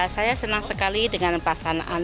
saya senang sekali dengan pasangan